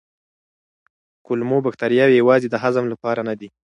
کولمو بکتریاوې یوازې د هضم لپاره نه دي.